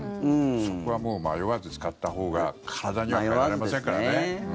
そこはもう迷わず使ったほうが体には代えられませんからね。